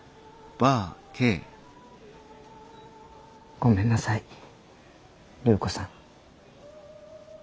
ごめんなさい隆子さん。